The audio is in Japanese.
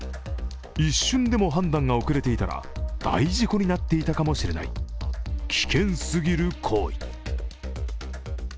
一瞬でも判断が遅れていたら大事故になっていたかもしれない危険すぎる行為。